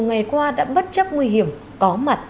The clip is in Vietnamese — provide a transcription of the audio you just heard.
ngày qua đã bất chấp nguy hiểm có mặt